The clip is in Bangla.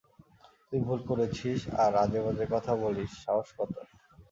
তুই ভুল করেছিস আর আজেবাজে কথা বলিস সাহস কত?